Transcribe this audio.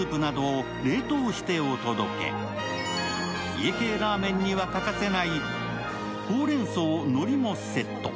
家系ラーメンには欠かせない、ほうれんそう、のりもセット。